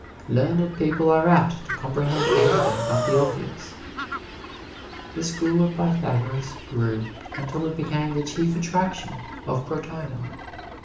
Learned people are apt to comprehend anything but the obvious. The School of Pythagoras grew until it became the chief attraction of Crotona.